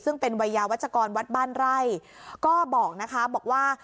ซึ่งเป็นวัยยาวัชกรวัดบ้านไร่ก็บอกนะคะบอกว่า